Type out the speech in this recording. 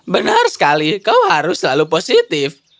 benar sekali kau harus selalu positif